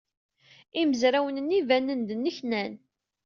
Imezrawen-nni banen-d nneknan.